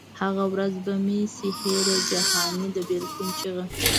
هغه ورځ به مي سي هېره جهاني د بېلتون چیغه